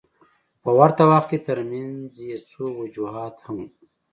خو په ورته وخت کې ترمنځ یې څو وجوهات هم وو.